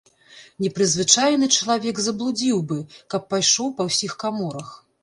Непрызвычаены чалавек заблудзіў бы, каб пайшоў па ўсіх каморах.